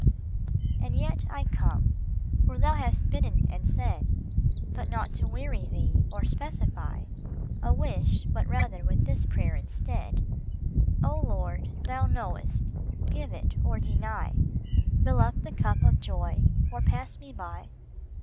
And yet I come, for thou hast bidden and said, But not to weary thee, or specify A wish, but rather with this prayer instead :" O Lord, thou knowest : give it or deny, Fill up the cup of joy, or pass me by."